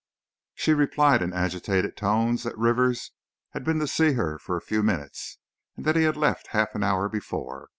She replied, in agitated tones, that Rivers had been to see her for a few minutes, and that he had left half an hour before.